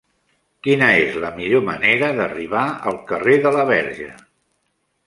Quina és la millor manera d'arribar al carrer de la Verge?